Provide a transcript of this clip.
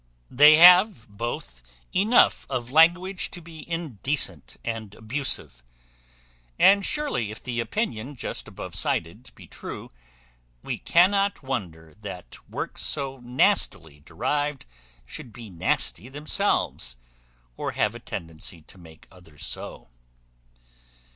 They have both enough of language to be indecent and abusive. And surely if the opinion just above cited be true, we cannot wonder that works so nastily derived should be nasty themselves, or have a tendency to make others so.